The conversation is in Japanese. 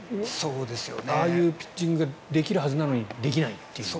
ああいうピッチングができるはずなのにできないっていう。